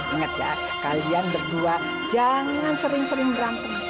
ingat ya kalian berdua jangan sering sering berantem